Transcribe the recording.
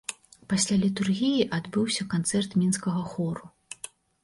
Пасля літургіі адбыўся канцэрт мінскага хору.